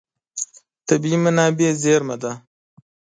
طبیعي منابع زېرمه ده.